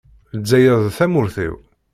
Lezzayer d tamurt-iw.